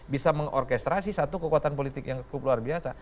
bisa mengorkestrasi satu kekuatan politik yang cukup luar biasa